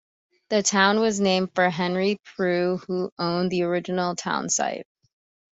The town was named for Henry Prue, who owned the original townsite.